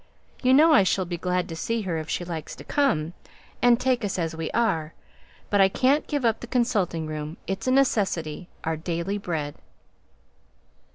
You know I shall be glad to see her if she likes to come, and take us as we are, but I can't give up the consulting room. It's a necessity; our daily bread!"